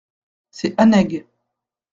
C’est Annaig.